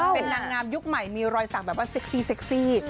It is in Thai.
เป็นนางงามยุคใหม่มีรอยสักแบบว่าเซ็กซี่เซ็กซี่